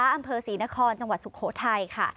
อำเภอศรีนครจังหวัดสุโขทัยค่ะ